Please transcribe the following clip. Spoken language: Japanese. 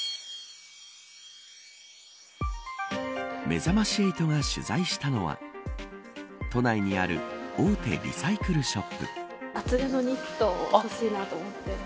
めざまし８が取材したのは都内にある大手リサイクルショップ。